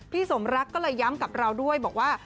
สมรักก็เลยย้ำกับเราด้วยบอกว่า